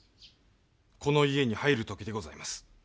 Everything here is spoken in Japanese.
この家に入る時でございます。